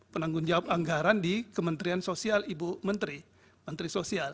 penanggung jawab anggaran di kementerian sosial ibu menteri menteri sosial